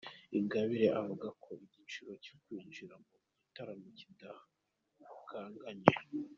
Ingabire avuga ko igiciro cyo kwinjira mu gitaramo kidakanganye.